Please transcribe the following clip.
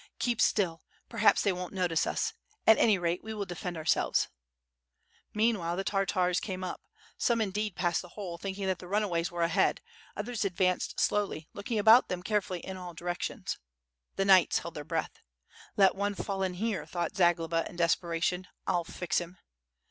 "Keep still, perhaps, they won't notice us; at any rate, we will defend ourselves." Meanwhile, the Tartars came up. Some indeed passed the hole, thinking that the runaways were ahead; others advanced slowly, looking about them carefully in all directions. The knights held their breath. "Let one fall in here," thought Zagloba in desperation, "I'll fix him."